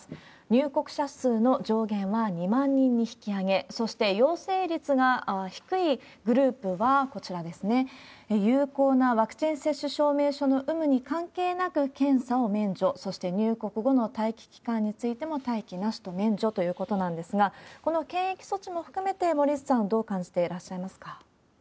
入国者数の上限は２万人に引き上げ、そして陽性率が低いグループは、こちらですね、有効なワクチン接種証明書の有無に関係なく検査を免除、そして、入国後の待機期間についても待機なしと免除ということなんですが、この検疫措置も含めて、森内さん、どう感じてらっしゃいますか？